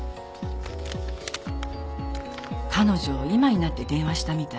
彼女今になって電話したみたい。